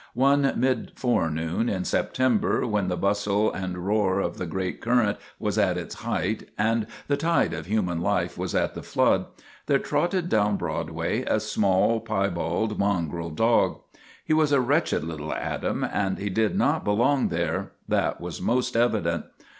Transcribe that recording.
One mid forenoon in September, when the bustle and roar of the great current was at its height and the tide of human life was at the flood, there trotted down Broadway a small, piebald, mongrel dog. He was a wretched little atom, and he did not belong there; that was most evident.